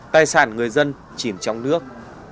tài sản người dân chìm trong nước